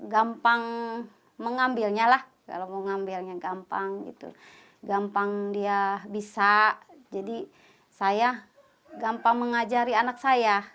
gampang mengambilnya lah kalau mau ngambilnya gampang gitu gampang dia bisa jadi saya gampang mengajari anak saya